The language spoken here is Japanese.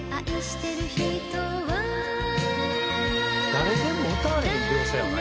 「誰でも歌われへん描写よな